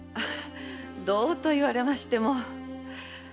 どうと言われましても。